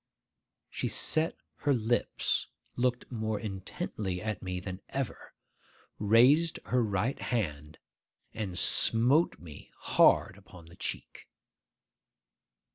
She set her lips, looked more intently at me than ever, raised her right hand, and smote me hard upon the cheek.